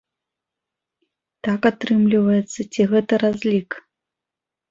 Так атрымліваецца ці гэта разлік?